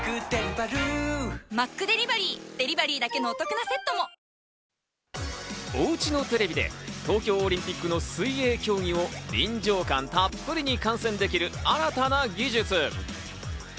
レース中に世界記録のラインが表示され、おうちのテレビで東京オリンピックの水泳競技を臨場感たっぷりに観戦できる新たな技術。